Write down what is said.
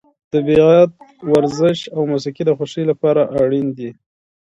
طبیعت، ورزش او موسیقي د خوښۍ لپاره اړین دي.